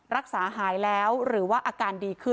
รักษาหายแล้วหรือว่าอาการดีขึ้น